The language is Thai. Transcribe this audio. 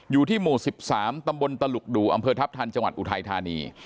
อยู่ที่หมู่๑๓ตำบลตลุกดูอำเภอทัพทันจังหวัดอุทัยธานี